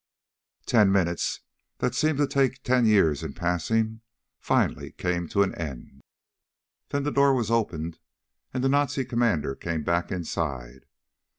Ten minutes, that seemed to take ten years in passing, finally came to an end. Then the door was opened and the Nazi commander came back inside.